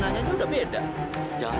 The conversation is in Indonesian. papa kenapa papa bangun